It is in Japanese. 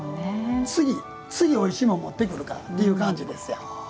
次、おいしいもん持ってくるからって感じです。